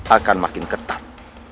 akan makin ketat